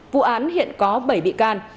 vụ án hiện có bảy bị can